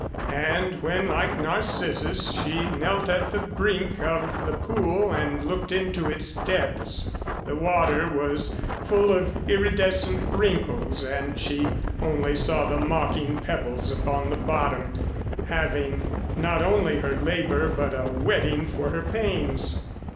And, when, like Narcissus, she knelt at the brink of the pool and looked into its depths, the water was full of iridescent wrinkles and she only saw the mocking pebbles upon the bottom, having not only her labor, but a wetting for her pains.